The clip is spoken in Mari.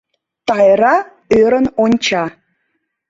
Тайра ӧрын онча.